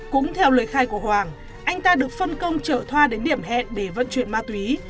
cũng theo lời khai của hoàng anh ta được phân công trợ thoa đến điểm hẹn để vận chuyển ma túy